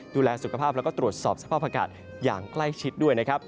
ดูแลสุขภาพแล้วก็ตรวจสอบสภาพอากาศอย่างใกล้ชิดด้วยนะครับ